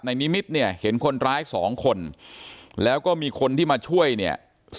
นิมิตรเนี่ยเห็นคนร้ายสองคนแล้วก็มีคนที่มาช่วยเนี่ย